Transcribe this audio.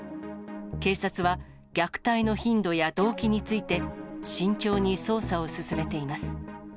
警察は、虐待の頻度や動機について、慎重に捜査を進めています。